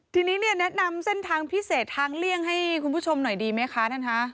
ทีนี้เนี่ยแนะนำเส้นทางพิเศษทางเลี่ยงให้คุณผู้ชมหน่อยดีไหมคะท่านคะ